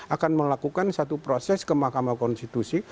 akan melakukan satu proses ke mahkamah konstitusi